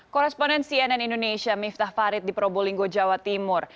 koresponen cnn indonesia miftah farid di probolinggo jawa timur